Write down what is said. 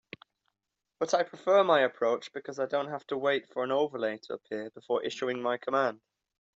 But I prefer my approach because I don't have to wait for an overlay to appear before issuing my command.